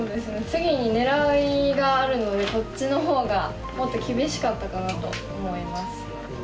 次に狙いがあるのでこっちの方がもっと厳しかったかなと思います。